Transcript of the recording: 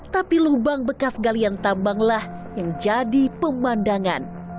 tapi lubang bekas galian tambanglah yang jadi pemandangan